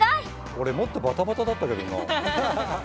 俺もっとバタバタだったけどな。